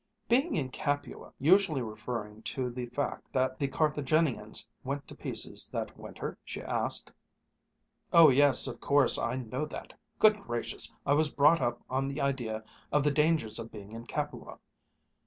"Being in Capua usually referring to the fact that the Carthaginians went to pieces that winter?" she asked. "Oh yes, of course I know that. Good gracious! I was brought up on the idea of the dangers of being in Capua.